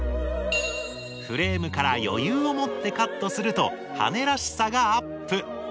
フレームから余裕を持ってカットすると羽根らしさがアップ。